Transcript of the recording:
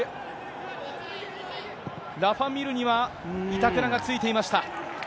ラファ・ミールには板倉がついていました。